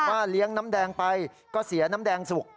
ว่าเลี้ยงน้ำแดงไปก็เสียน้ำแดงสุก